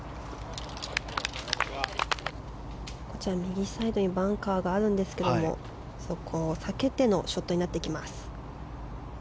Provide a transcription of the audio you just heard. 右サイドにバンカーがあるんですけれどもそこを避けてのショットになってきます。